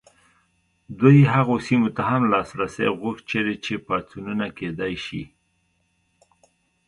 دوی هغو سیمو ته هم لاسرسی غوښت چیرې چې پاڅونونه کېدای شي.